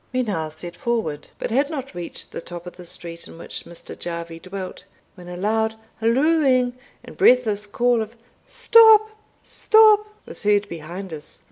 We now set forward, but had not reached the top of the street in which Mr. Jarvie dwelt, when a loud hallooing and breathless call of "Stop, stop!" was heard behind us.